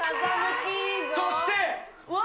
そして。